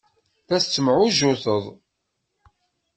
La tettemɛujjuted.